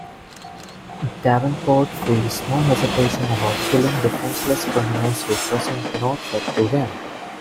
Davenport feels no hesitation about killing defenseless criminals who present no threat to him.